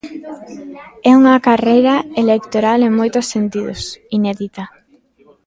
É unha carreira electoral en moitos sentidos, inédita.